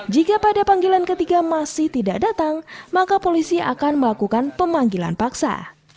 jika pada panggilan ketiga masih tidak datang maka polisi akan melakukan pemanggilan paksa